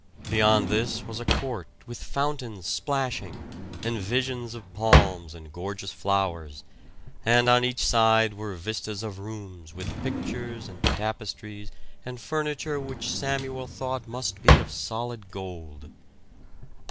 Beyond this was a court with fountains splashing, and visions of palms and gorgeous flowers; and on each side were vistas of rooms with pictures and tapestries and furniture which Samuel thought must be of solid gold.